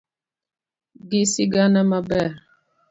gi sigana maber